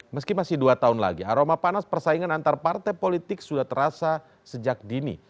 meski masih dua tahun lagi aroma panas persaingan antar partai politik sudah terasa sejak dini